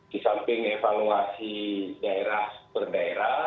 di samping evaluasi daerah per daerah